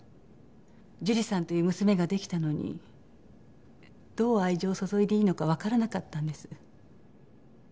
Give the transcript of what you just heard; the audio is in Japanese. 樹里さんという娘が出来たのにどう愛情を注いでいいのかわからなかったんです。